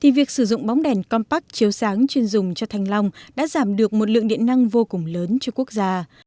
việc sử dụng bóng đèn compact chiếu sáng chuyên dùng cho thanh long đã giảm được một lượng điện năng vô cùng lớn cho quốc gia